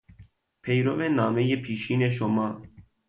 پیرو نامهی پیشین شما